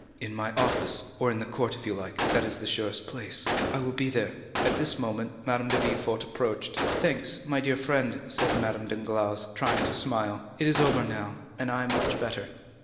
"In my office, or in the court, if you like,—that is the surest place." "I will be there." At this moment Madame de Villefort approached. "Thanks, my dear friend," said Madame Danglars, trying to smile; "it is over now, and I am much better."